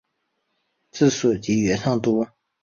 治所即元上都。